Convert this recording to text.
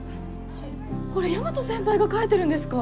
これ大和先輩が書いてるんですか？